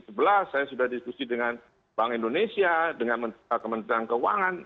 saya sudah diskusi dengan bank indonesia dengan kementerian keuangan